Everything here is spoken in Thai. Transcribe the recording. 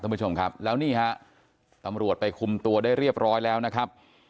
คุณผู้ชมครับแล้วนี่ฮะตำรวจไปคุมตัวได้เรียบร้อยแล้วนะครับ